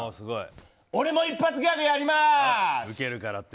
俺も一発ギャグやります！